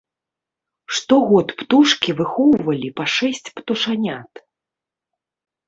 Штогод птушкі выхоўвалі па шэсць птушанят.